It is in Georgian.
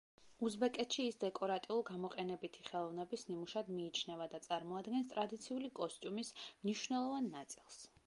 უზბეკეთში ის დეკორატიულ-გამოყენებითი ხელოვნების ნიმუშად მიიჩნევა და წარმოადგენს ტრადიციული კოსტიუმის მნიშვნელოვან ნაწილს.